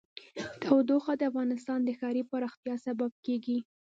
تودوخه د افغانستان د ښاري پراختیا سبب کېږي.